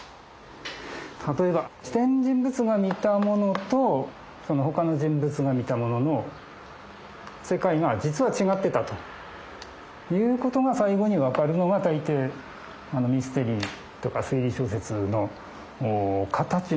例えば視点人物が見たものとそのほかの人物が見たものの世界が実は違ってたということが最後に分かるのが大抵ミステリーとか推理小説の形なんですよ。